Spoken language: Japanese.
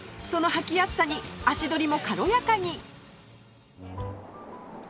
その履きやすさに足取りも軽やかに